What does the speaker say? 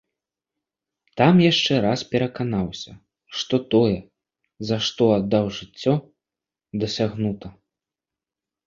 Там яшчэ раз пераканаўся, што тое, за што аддаў жыццё, дасягнута.